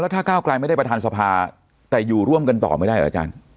ถ้าก้าวกลายไม่ได้ประธานสภาแต่อยู่ร่วมกันต่อไม่ได้เหรออาจารย์